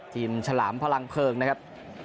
ฉลามพลังเพลิงนะครับ